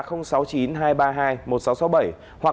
hoặc cơ cơ